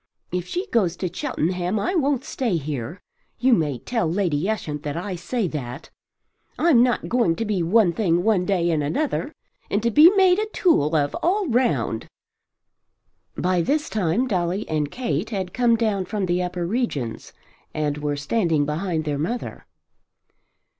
If she goes to Cheltenham I won't stay here. You may tell Lady Ushant that I say that. I'm not going to be one thing one day and another another, and to be made a tool of all round." By this time Dolly and Kate had come down from the upper regions and were standing behind their mother.